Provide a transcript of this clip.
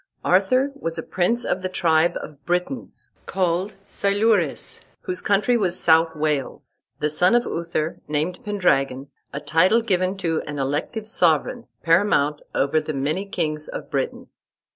Arthur was a prince of the tribe of Britons called Silures, whose country was South Wales, the son of Uther, named Pendragon, a title given to an elective sovereign, paramount over the many kings of Britain.